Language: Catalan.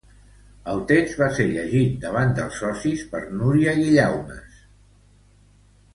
El text va ser llegit davant dels socis per Núria Guillaumes.